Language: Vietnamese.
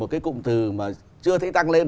cái cụm từ mà chưa thấy tăng lên